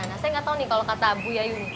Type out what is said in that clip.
nah saya nggak tahu nih kalau kata bu yayu